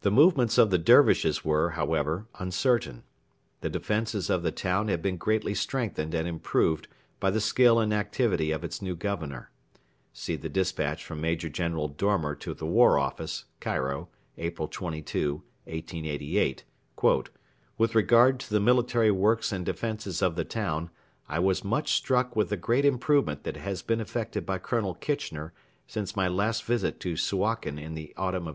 The movements of the Dervishes were, however, uncertain. The defences of the town had been greatly strengthened and improved by the skill and activity of its new Governor. [See dispatch from Major General Dormer to War Office, Cairo, April 22, 1888: 'With regard to the military works and defenses of the town, I was much struck with the great improvement that has been effected by Colonel Kitchener since my last visit to Suakin in the autumn of 1884.